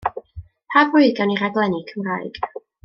Pa bryd gawn ni raglenni Cymraeg?